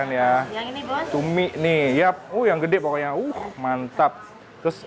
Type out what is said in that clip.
yang ini buat cumi nih yap uh yang gede pokoknya uh mantap terus udah deh